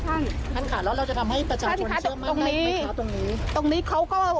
ท่านค่ะแล้วเราจะทำให้ประชาชนเชื่อมมากได้ไหมคะตรงนี้